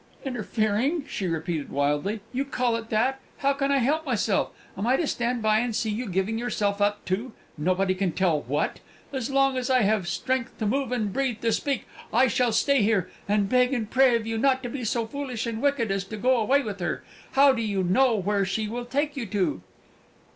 "Interfering!" she repeated wildly, "you call it that! How can I help myself? Am I to stand by and see you giving yourself up to, nobody can tell what? As long as I have strength to move and breath to speak I shall stay here, and beg and pray of you not to be so foolish and wicked as to go away with her! How do you know where she will take you to?"